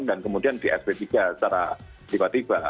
dan kemudian di sp tiga secara tiba tiba